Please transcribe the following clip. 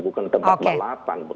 bukan tempat melapan